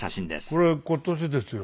これ今年ですよ。